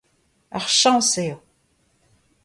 Ur chañs eo !